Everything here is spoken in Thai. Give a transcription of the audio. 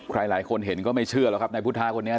หลายคนเห็นก็ไม่เชื่อหรอกครับนายพุทธาคนนี้